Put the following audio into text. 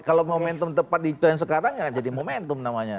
kalau momentum tepat di poin sekarang ya jadi momentum namanya